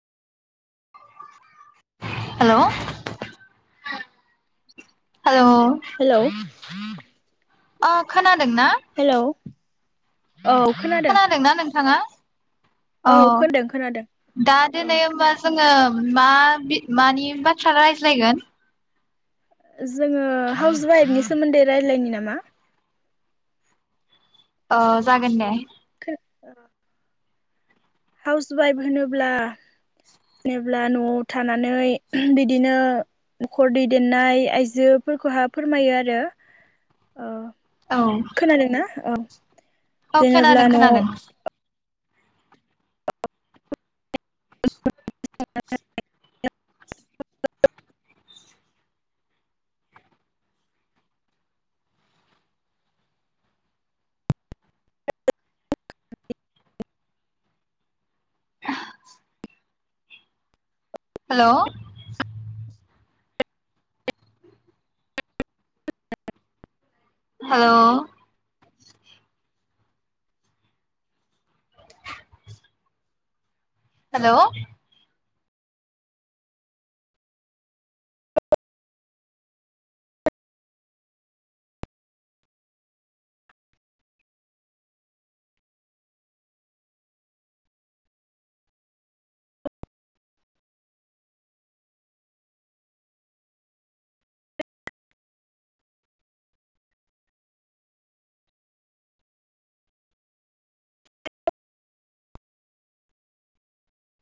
Hello hello hello अ खोनादों ना? हेलौ औ खोनादों दोंना नोंथाङा अ औ खोनादों खोनादों दा औ दोनै होनबा जोंङो मा बि मानि बाथ्रा रायज्लायगोन? जोङो हाउस उवाइफनि सोमोन्दै रायलायनि नामा अ जागोन दे [unintelligible] हाउस उवाइफ होनोब्ला जेब्ला न'आव थानानै बिदिनो न'खर दैदेननाय आइजोफोरखौहा फोरमायो आरो औ जादों ना औ औ जेनेब्ला खोनादों न'आव खोनादों [unintelligible] [unintelligible] हेलौ हेल' हेलौ